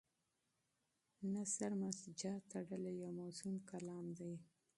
نثر مسجع تړلی او موزون کلام دی.